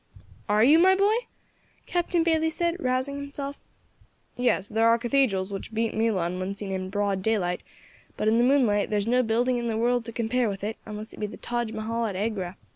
"Are you, my boy?" Captain Bayley said, rousing himself. "Yes, there are cathedrals which beat Milan when seen in broad daylight, but in the moonlight there is no building in the world to compare with it, unless it be the Taj Mahal at Agra.